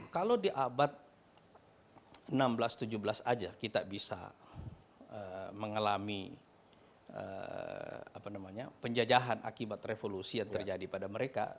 kalau di abad enam belas tujuh belas aja kita bisa mengalami penjajahan akibat revolusi yang terjadi pada mereka